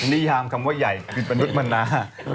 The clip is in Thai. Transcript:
นิยามคำว่าใหญ่คือมนุษย์มนา